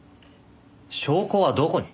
証拠はどこに？